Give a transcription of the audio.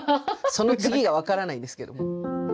その次が分からないんですけど。